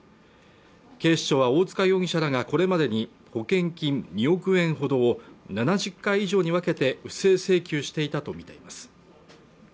警視庁は大塚容疑者らがこれまでに保険金２億円ほどを７０回以上に分けて不正請求していたとみています